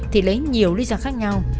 thì lấy nhiều lý do khác nhau